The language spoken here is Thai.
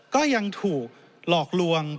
ก็ยังถูกหลอกลวง